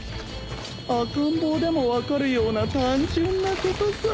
赤ん坊でも分かるような単純なことさ。